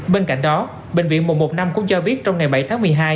bên cạnh đó bệnh viện một một năm cũng cho biết trong ngày bảy tháng một mươi hai